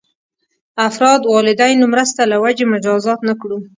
افراد والدینو مرسته له وجې مجازات نه کړو.